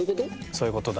そういう事だ。